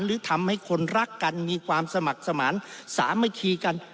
หรือทำให้คนรักกันมีความสมัครสมานสามัคคีกัน